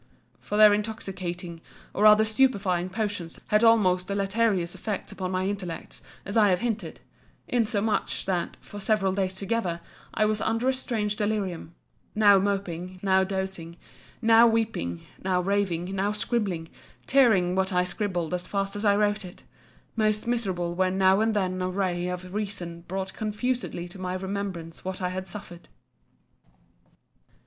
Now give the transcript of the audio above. For their intoxicating, or rather stupefying, potions had almost deleterious effects upon my intellects, as I have hinted; insomuch that, for several days together, I was under a strange delirium; now moping, now dozing, now weeping, now raving, now scribbling, tearing what I scribbled as fast as I wrote it: most miserable when now and then a ray of reason brought confusedly to my remembrance what I had suffered.